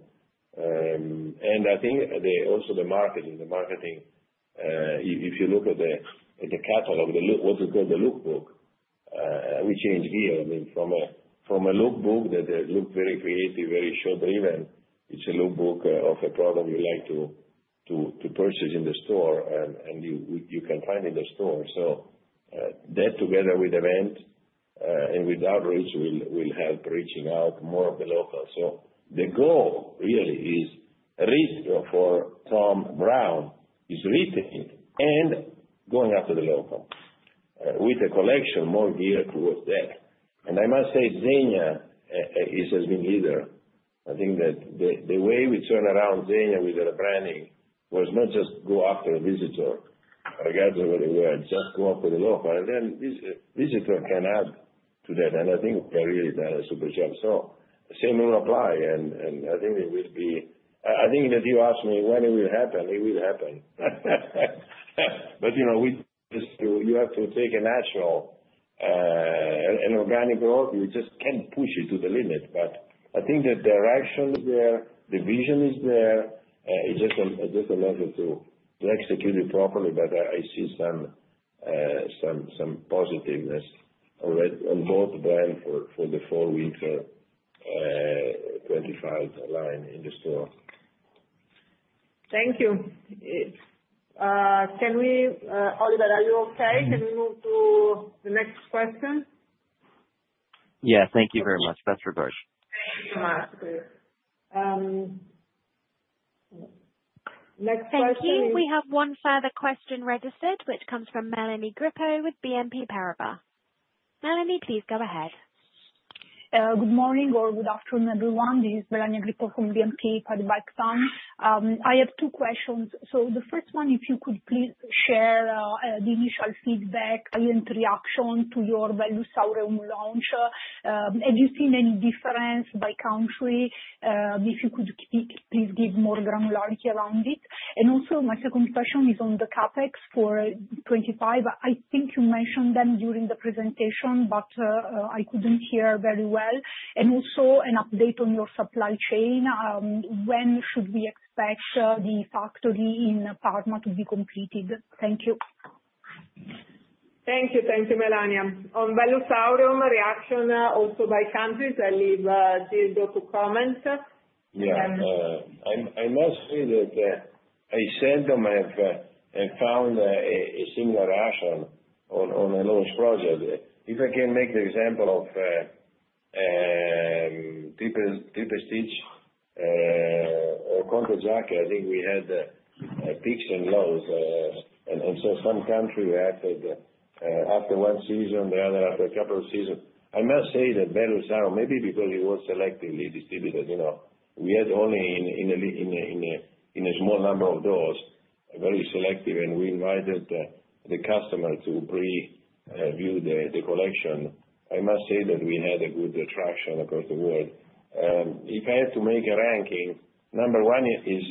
[SPEAKER 2] I think also the marketing, the marketing, if you look at the catalog, what we call the lookbook, we change gears. I mean, from a lookbook that looks very creative, very show-driven, it is a lookbook of a product you like to purchase in the store, and you can find it in the store. That together with events and with outreach will help reaching out more of the locals. The goal really is for Thom Browne is retail and going after the local with a collection more geared towards that. I must say Zegna has been leader. I think that the way we turned around Zegna with their branding was not just go after the visitor, regardless of where they were, just go after the local. Then the visitor can add to that. I think they really did a super job. The same will apply. I think it will be, I think that you asked me when it will happen, it will happen. You have to take an actual and organic growth. You just can't push it to the limit. I think that the direction is there, the vision is there. It's just a matter to execute it properly. I see some positiveness already on both brands for the Fall/Winter 2025 line in the store.
[SPEAKER 1] Thank you. Oliver, are you okay? Can we move to the next question?
[SPEAKER 7] Yeah. Thank you very much. Best regards.
[SPEAKER 1] Thank you so much. Next question.
[SPEAKER 4] Thank you. We have one further question registered, which comes from Melanie Grippow with BNP Paribas. Melanie, please go ahead.
[SPEAKER 8] Good morning or good afternoon, everyone. This is Melanie Grippow from BNP Paribas Excellence. I have two questions. The first one, if you could please share the initial feedback. Client reaction to your Value Sourcing launch? Have you seen any difference by country? If you could please give more granularity around it. My second question is on the CapEx for 2025. I think you mentioned them during the presentation, but I could not hear very well. Also, an update on your supply chain. When should we expect the factory in Parma to be completed? Thank you.
[SPEAKER 1] Thank you. Thank you, Melanie. On value sourcing reaction also by countries, I'll leave Gildo to comment.
[SPEAKER 2] Yeah. I must say that I said I found a similar reaction on a launch project. If I can make the example of Triple Stitch or Contour Jacket, I think we had peaks and lows. Some countries acted after one season, the other after a couple of seasons. I must say that Value Sourcing, maybe because it was selectively distributed, we had only in a small number of doors, very selective, and we invited the customer to preview the collection. I must say that we had good traction across the world. If I had to make a ranking, number one is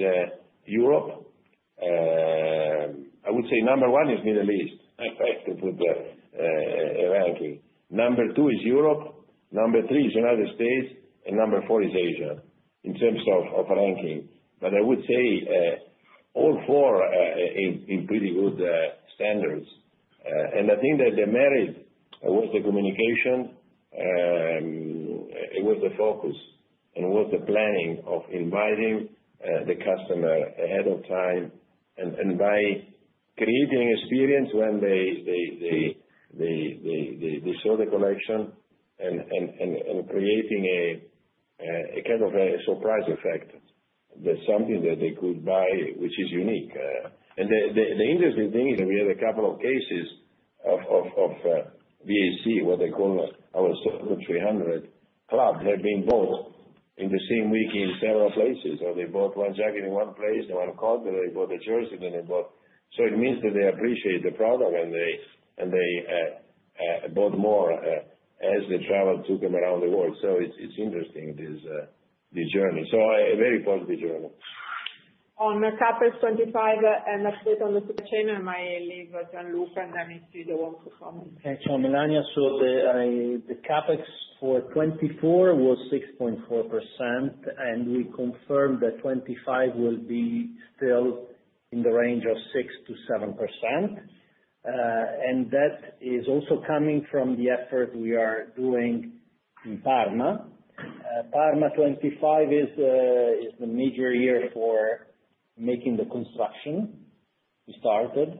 [SPEAKER 2] Europe. I would say number one is the Middle East. I have to put a ranking. Number two is Europe. Number three is the United States. Number four is Asia in terms of ranking. I would say all four in pretty good standards. I think that the merit was the communication. It was the focus and was the planning of inviting the customer ahead of time and by creating an experience when they saw the collection and creating a kind of a surprise effect. That is something that they could buy, which is unique. The interesting thing is that we had a couple of cases of VAC, what they call our Zegna 300 Circle, have been bought in the same week in several places. They bought one jacket in one place, one cotton, and they bought a jersey, and then they bought. It means that they appreciate the product and they bought more as the travel took them around the world. It is interesting, this journey. A very positive journey.
[SPEAKER 1] On CapEx '25 and update on the chain, I might leave a loop, and then if you want to comment.
[SPEAKER 2] Thanks, Melanie. The CapEx for 2024 was 6.4%, and we confirm that 2025 will still be in the range of 6-7%. That is also coming from the effort we are doing in Parma. 2025 is the major year for making the construction. We started,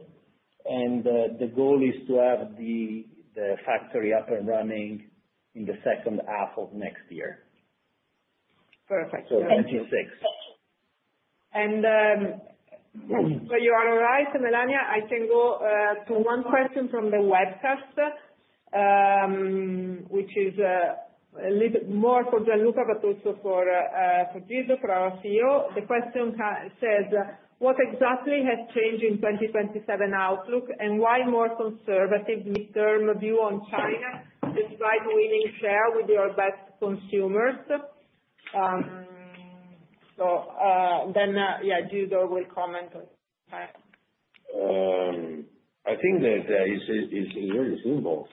[SPEAKER 2] and the goal is to have the factory up and running in the second half of next year.
[SPEAKER 1] Perfect.
[SPEAKER 2] So '26.
[SPEAKER 1] You are all right, Melanie. I can go to one question from the webcast, which is a little bit more for Gildo but also for Gildo, for our CEO. The question says, "What exactly has changed in 2027 outlook and why more conservative? Midterm view on China despite winning share with your best consumers?" Gildo will comment.
[SPEAKER 2] I think that it's very simple.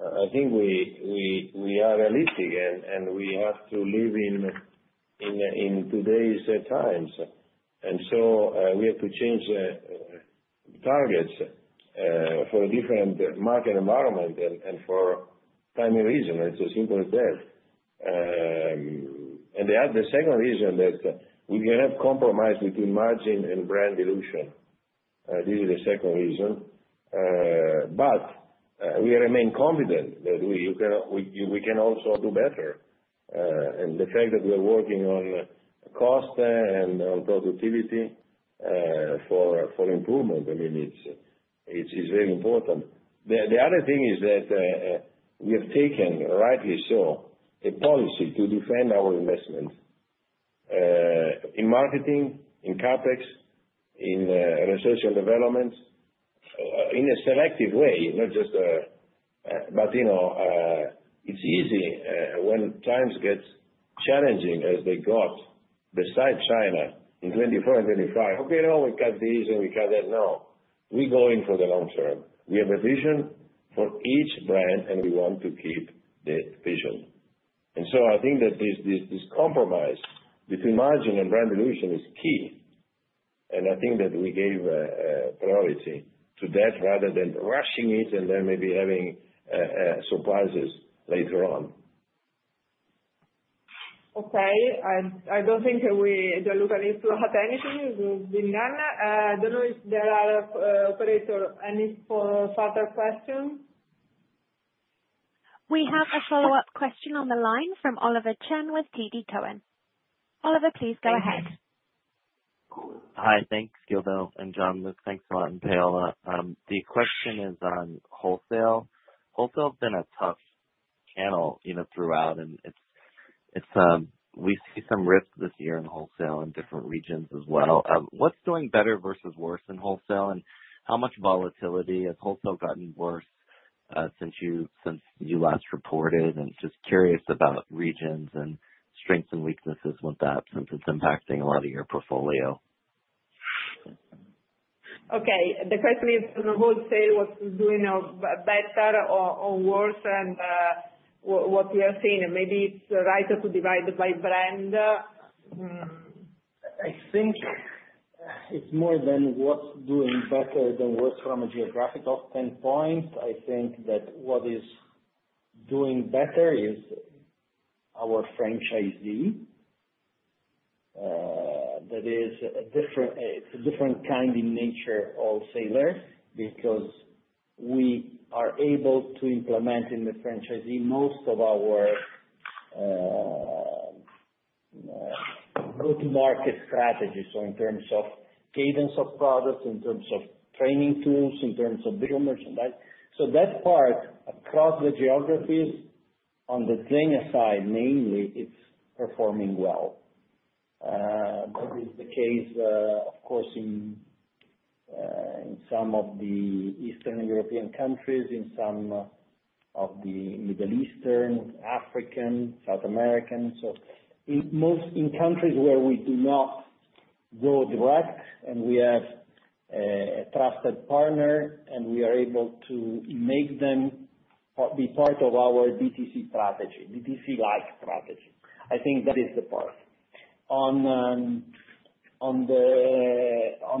[SPEAKER 2] I think we are elitic, and we have to live in today's times. We have to change targets for a different market environment and for timing reasons. It's as simple as that. The second reason is that we cannot compromise between margin and brand dilution. This is the second reason. We remain confident that we can also do better. The fact that we're working on cost and on productivity for improvement, I mean, it's very important. The other thing is that we have taken, rightly so, a policy to defend our investment in marketing, in CapEx, in research and development, in a selective way, not just a but it's easy when times get challenging as they got beside China in 2024 and 2025. Okay, no, we cut this and we cut that. No. We go in for the long term. We have a vision for each brand, and we want to keep that vision. I think that this compromise between margin and brand dilution is key. I think that we gave priority to that rather than rushing it and then maybe having surprises later on.
[SPEAKER 1] Okay. I don't think Gildo needs to add anything. We've been done. I don't know if there are operators' any further questions.
[SPEAKER 4] We have a follow-up question on the line from Oliver Chen with TD Cowen. Oliver, please go ahead.
[SPEAKER 7] Hi. Thanks, Gildo and Gianluca. Thanks a lot, Paola. The question is on wholesale. Wholesale has been a tough channel throughout, and we see some risks this year in wholesale in different regions as well. What's doing better versus worse in wholesale, and how much volatility? Has wholesale gotten worse since you last reported? Just curious about regions and strengths and weaknesses with that since it's impacting a lot of your portfolio.
[SPEAKER 1] Okay. The question is on wholesale, what's doing better or worse and what we are seeing. Maybe it's right to divide by brand.
[SPEAKER 2] I think it's more than what's doing better than worse from a geographical standpoint. I think that what is doing better is our franchisee. That is a different kind of nature of wholesalers because we are able to implement in the franchisee most of our go-to-market strategy. In terms of cadence of products, in terms of training tools, in terms of different merchandise. That part across the geographies on the Zegna side, mainly, it's performing well. It is the case, of course, in some of the Eastern European countries, in some of the Middle Eastern, African, South American. In countries where we do not go direct and we have a trusted partner, and we are able to make them be part of our DTC strategy, DTC-like strategy. I think that is the part. On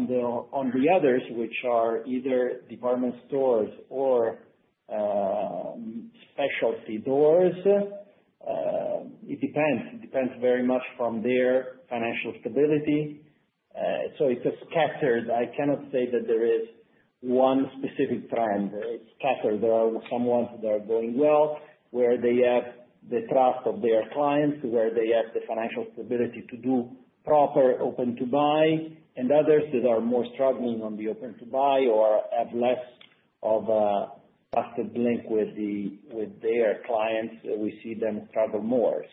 [SPEAKER 2] the others, which are either department stores or specialty doors, it depends. It depends very much from their financial stability. It is scattered. I cannot say that there is one specific trend. It is scattered. There are some ones that are going well where they have the trust of their clients, where they have the financial stability to do proper open-to-buy, and others that are more struggling on the open-to-buy or have less of a trusted link with their clients. We see them struggle more.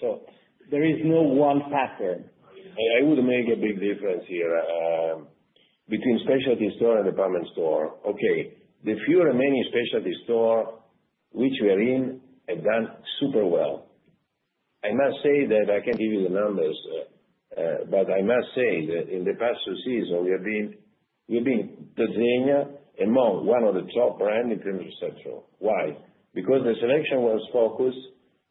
[SPEAKER 2] There is no one pattern.
[SPEAKER 3] I would make a big difference here between specialty store and department store. Okay. The fewer and many specialty stores which we are in have done super well. I must say that I can't give you the numbers, but I must say that in the past two seasons, we have been the Zegna among one of the top brands in terms of reception. Why? Because the selection was focused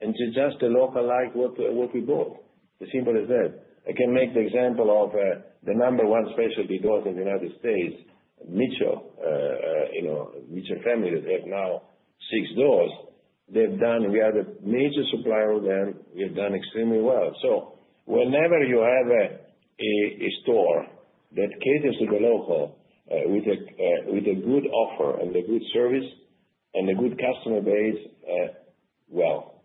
[SPEAKER 3] and to just the local like what we bought. As simple as that. I can make the example of the number one specialty store in the United States, Mitchell. Mitchell family that have now six stores. They've done—we are the major supplier of them. We have done extremely well. Whenever you have a store that caters to the local with a good offer and a good service and a good customer base, well.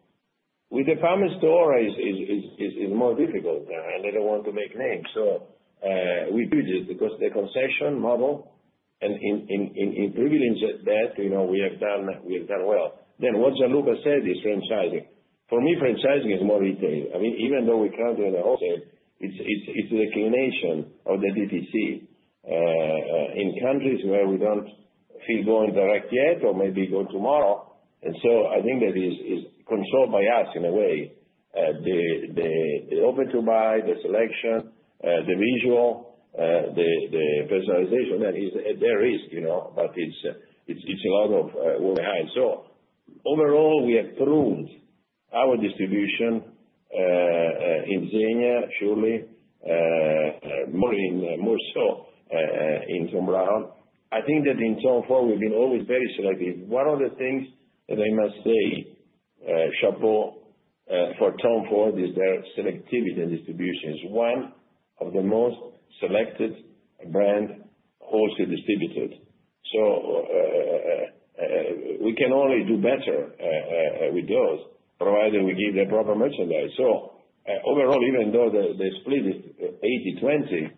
[SPEAKER 3] With department store, it's more difficult, and I don't want to make names. We do this because the concession model and in privilege of that, we have done well. What Gildo said is franchising. For me, franchising is more retail. I mean, even though we can't do it in the wholesale, it's the declination of the DTC in countries where we don't feel going direct yet or maybe go tomorrow. I think that is controlled by us in a way. The open-to-buy, the selection, the visual, the personalization, that is there is, but it's a lot of behind. Overall, we have proved our distribution in Zegna, surely, more so in some ground. I think that in Tom Ford, we've been always very selective. One of the things that I must say, chapeau for Tom Ford is their selectivity in distribution is one of the most selected brands wholesale distributed. We can only do better with those provided we give them proper merchandise. Overall, even though the split is 80/20,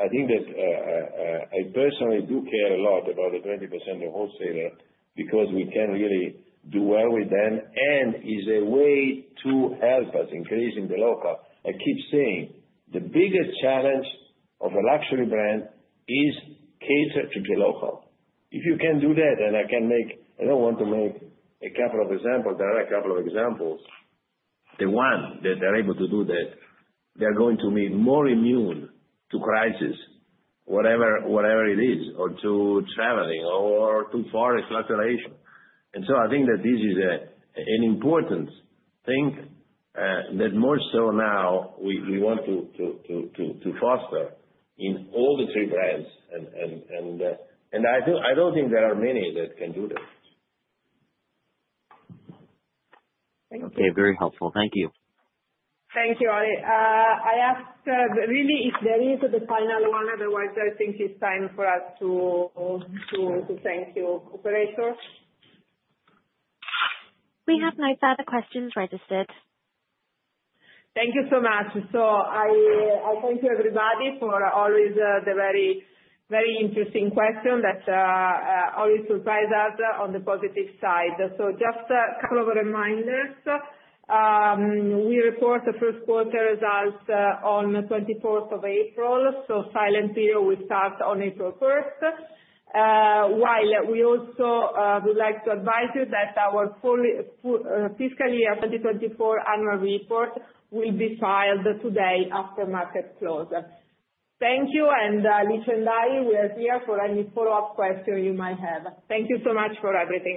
[SPEAKER 3] I think that I personally do care a lot about the 20% of wholesalers because we can really do well with them and it is a way to help us increase in the local. I keep saying the biggest challenge of a luxury brand is to cater to the local. If you can do that, and I do not want to make a couple of examples. There are a couple of examples. The ones that are able to do that, they are going to be more immune to crisis, whatever it is, or to traveling or to foreign fluctuation. I think that this is an important thing that more so now we want to foster in all the three brands. I do not think there are many that can do that.
[SPEAKER 1] Thank you.
[SPEAKER 7] Okay. Very helpful. Thank you.
[SPEAKER 1] Thank you, Ali. I asked really if there is the final one. Otherwise, I think it's time for us to thank you, operators.
[SPEAKER 4] We have no further questions registered.
[SPEAKER 1] Thank you so much. I thank you, everybody, for always the very interesting question that always surprised us on the positive side. Just a couple of reminders. We report the first quarter results on the 24th of April. Silent period will start on April 1st. We also would like to advise you that our fiscal year 2024 annual report will be filed today after market close. Thank you. Gildo and I, we are here for any follow-up questions you might have. Thank you so much for everything.